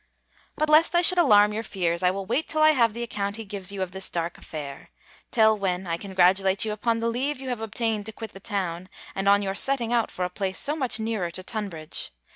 But lest I should alarm your fears, I will wait till I have the account he gives you of this dark affair; till when, I congratulate you upon the leave you have obtained to quit the town, and on your setting out for a place so much nearer to Tunbridge.